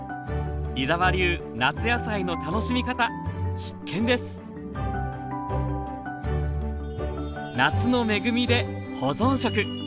井澤流夏野菜の楽しみ方必見です「夏の恵みで保存食」。